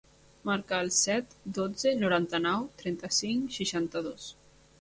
Marca el set, dotze, noranta-nou, trenta-cinc, seixanta-dos.